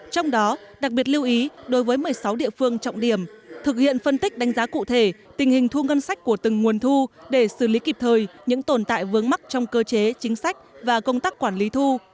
trong đó đặc biệt lưu ý đối với một mươi sáu địa phương trọng điểm thực hiện phân tích đánh giá cụ thể tình hình thu ngân sách của từng nguồn thu để xử lý kịp thời những tồn tại vướng mắc trong cơ chế chính sách và công tác quản lý thu